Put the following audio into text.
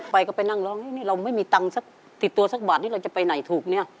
ไปก็ไปนั่งร้องนี่เราไม่มีตังค์สักติดตัวสักบาทนี่เราจะไปไหนถูกเนี่ย